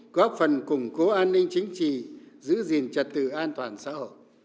góp phần củng cố an ninh chính trị giữ gìn trật tự an toàn xã hội